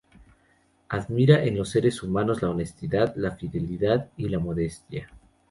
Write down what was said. Admira en los seres humanos la honestidad, la fidelidad y la modestia.